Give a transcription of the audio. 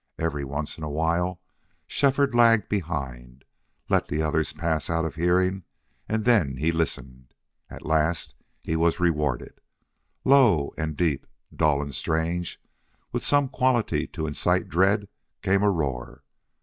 Every once in a while Shefford lagged behind, let the others pass out of hearing, and then he listened. At last he was rewarded. Low and deep, dull and strange, with some quality to incite dread, came a roar.